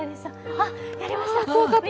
あっ、やりました。